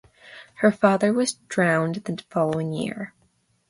Her father was drowned the following year.